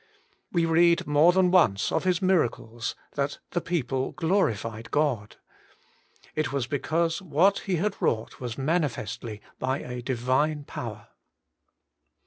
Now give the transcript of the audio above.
We read more than once of His miracles, that the people glorified God. It was because what He had wrought was manifestly by a Di vine power.